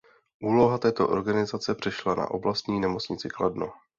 Úloha této organizace přešla na Oblastní nemocnici Kladno.